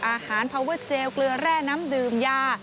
พาเวอร์เจลเกลือแร่น้ำดื่มยา